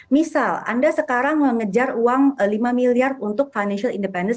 misal anda sekarang mengejar uang lima miliar untuk financial independence